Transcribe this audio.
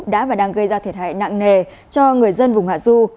đã và đang gây ra thiệt hại nặng nề cho người dân vùng hạ du